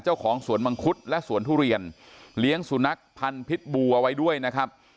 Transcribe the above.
เจ้าของสวนมังคุดและสวนทุเรียนเลี้ยงสุนัขพันธ์พิษบูเอาไว้ด้วยนะครับ